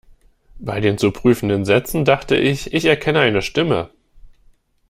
Bei den zu prüfenden Sätzen dachte ich, ich erkenne eine Stimme.